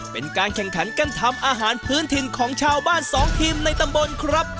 เป็นการแข่งขันการทำอาหารพื้นถิ่นของชาวบ้านสองทีมในตำบลครับ